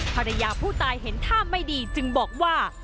ภรรยาผู้ตายเห็นท่าไม่ดีจึงบอกว่า